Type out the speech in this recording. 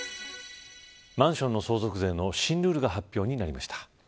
マンションの相続税の新ルールが発表になりました。